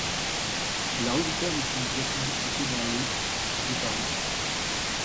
La rue Vital est une voie publique située dans le de Paris.